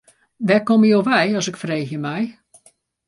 Wêr komme jo wei as ik freegje mei.